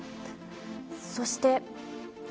そして。